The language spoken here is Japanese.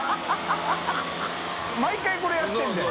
毎回これやってるんだよ。